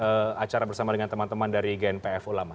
menghadiri acara bersama dengan teman teman dari gen pf ulama